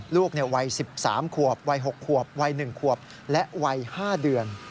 ลูกวัย๑๓ขวบวัย๖ขวบวัย๑ขวบและวัย๕เดือน